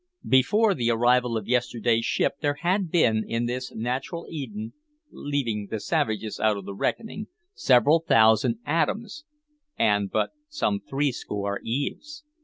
Before the arrival of yesterday's ship there had been in this natural Eden (leaving the savages out of the reckoning) several thousand Adams, and but some threescore Eves.